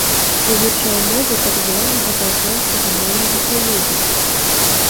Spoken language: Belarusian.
Вывучаў мовы так званага балканскага моўнага саюза.